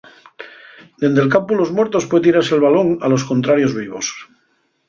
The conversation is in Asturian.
Dende'l campu los muertos pue tirase'l balón a los contrarios vivos.